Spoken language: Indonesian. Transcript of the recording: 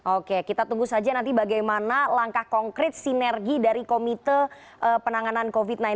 oke kita tunggu saja nanti bagaimana langkah konkret sinergi dari komite pemulihan ekonomi nasional dan juga penanganan covid sembilan belas